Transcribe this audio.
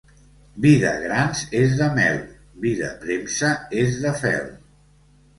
Vi de grans és de mel, vi de premsa és de fel.